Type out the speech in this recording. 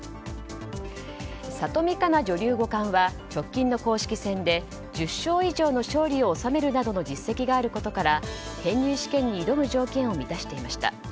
里見香奈女流五冠は直近の公式戦で１０勝以上の勝利を収めるなどの実績があることから編入試験に挑む条件を満たしていました。